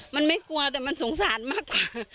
มันไม่กลัวแต่มันสงสารมากกว่า